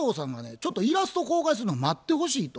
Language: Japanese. ちょっと「イラストを公開するのを待ってほしい」と。